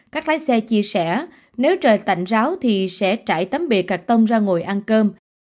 các lái xe chia sẻ nếu trời tạnh ráo thì sẽ trải tấm bị gạch tông ra ngồi ăn cơm